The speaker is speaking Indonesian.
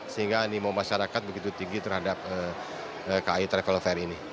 sehingga animo masyarakat begitu tinggi terhadap kai travel of air ini